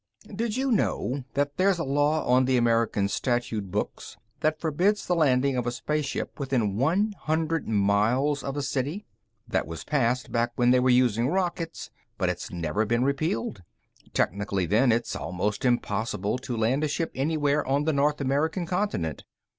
Did you know that there's a law on the American statute books that forbids the landing of a spaceship within one hundred miles of a city? That was passed back when they were using rockets, but it's never been repealed. Technically, then, it's almost impossible to land a ship anywhere on the North American continent.